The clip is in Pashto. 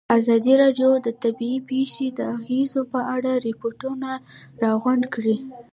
ازادي راډیو د طبیعي پېښې د اغېزو په اړه ریپوټونه راغونډ کړي.